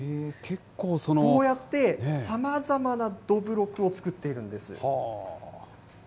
こうやって、さまざまなどぶろくを作っているんです。